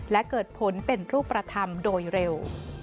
และเกิดผลเป็นรูปธรรมโดยเร็ว